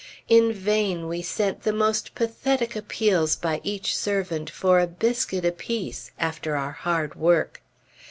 In vain we sent the most pathetic appeals by each servant, for a biscuit apiece, after our hard work.